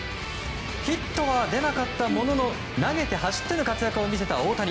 ヒットは出なかったものの投げて走っての活躍を見せた大谷。